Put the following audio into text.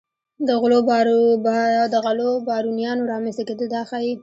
د غلو بارونیانو رامنځته کېدل دا ښيي.